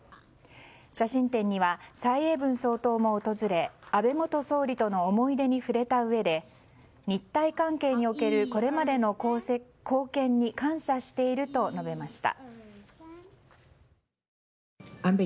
写真展には蔡英文総統も訪れ安倍元総理との思い出に触れたうえで日台関係におけるこれまでの貢献に感謝していると述べました。